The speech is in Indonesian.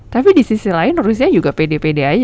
tapi di sisi lain rusia juga pede pede aja